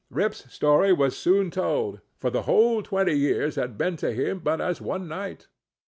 Rip's story was soon told, for the whole twenty years had been to him but as one night.